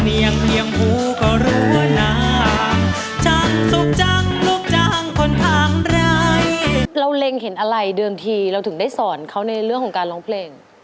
เราเล็งเห็นอะไรเดิมทีเราถึงได้สอนเขาในเรื่องของการร้องเพลง